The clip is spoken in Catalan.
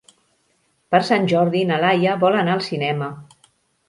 Per Sant Jordi na Laia vol anar al cinema.